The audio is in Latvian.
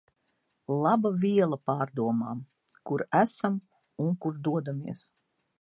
Laba viela pārdomām, kur esam un kur dodamies.